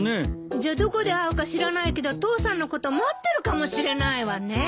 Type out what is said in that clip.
じゃどこで会うか知らないけど父さんのこと待ってるかもしれないわね。